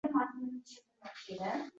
Yigit bo’ldi shahzoda.